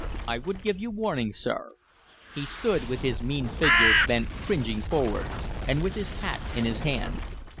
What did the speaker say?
I would give you warning, sir." He stood with his mean figure bent cringingly forward, and with his hat in his hand.